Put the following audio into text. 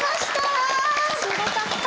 すごかった！